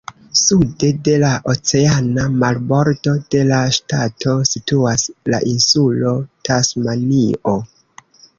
Sude de la oceana marbordo de la ŝtato situas la insulo Tasmanio.